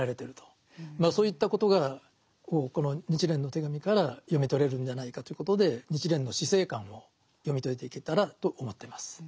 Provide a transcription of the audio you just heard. そういったことがこの「日蓮の手紙」から読み取れるんじゃないかということで日蓮の死生観を読み解いていけたらと思ってます。